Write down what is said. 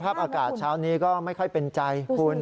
สภาพอากาศเช้านี้ก็ไม่ค่อยเป็นใจ